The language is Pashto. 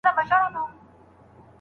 لارښود استاد شاګرد ته خپلواکي ورکوي.